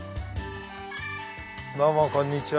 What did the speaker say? どうもこんにちは。